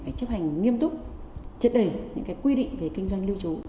phải chấp hành nghiêm túc chất đẩy những cái quy định về kinh doanh lưu trú